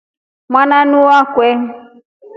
Mwananuu wakwe.